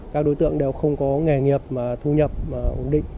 các đối tượng đều không có nghề nghiệp mà thu nhập ổn định